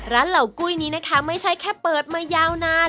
เหล่ากุ้ยนี้นะคะไม่ใช่แค่เปิดมายาวนาน